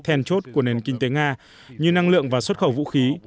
thèn chốt của nền kinh tế nga như năng lượng và xuất khẩu vũ khí